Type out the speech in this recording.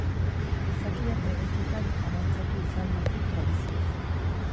Gizakiak erreketan arrantzatu izan ditu tradizioz.